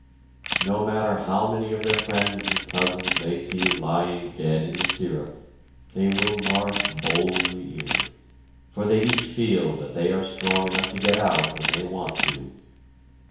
No matter how many of their friends and cousins they see lying dead in the syrup, they will march boldly in, for they each feel that they are strong enough to get out when they want to.